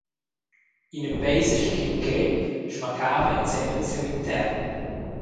Ina peisa sc’in grep smaccava ensemen siu intern.